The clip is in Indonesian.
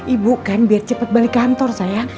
ibu kan biar cepet balik kantor sayang